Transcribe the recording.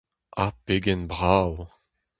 Ha pegen brav !